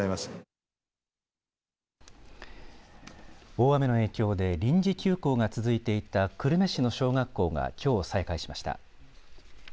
大雨の影響で臨時休校が続いていた久留米市の小学校がきょう再開しました。